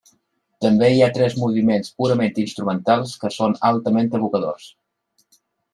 També hi ha tres moviments purament instrumentals, que són altament evocadors.